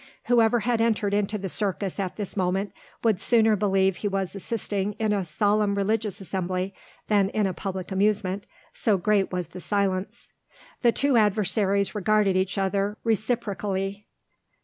Whoever had entered into the circus at this moment would sooner believe he was assisting in a solemn religious assembly, than in a public amusement, so great was the silence. The two adversaries regarded each other reciprocally.